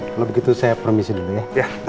kalau begitu saya permisi dulu ya